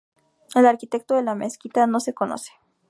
El arquitecto de la mezquita no se conoce.